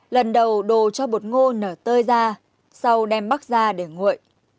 lần đầu đồ cho bột ngô nở tơi ra sau đem bắt ra để nguội